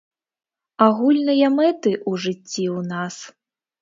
Агульныя мэты ў жыцці ў нас.